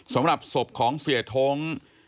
สำหรับศพของเสียท้ง